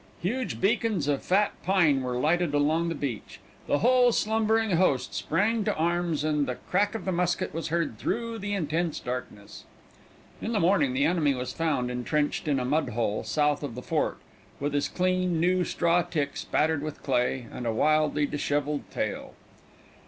Huge beacons of fat pine were lighted along the beach. The whole slumbering host sprang to arms, and the crack of the musket was heard through the intense darkness. In the morning the enemy was found intrenched in a mud hole, south of the fort, with his clean new straw tick spattered with clay, and a wildly disheveled tail.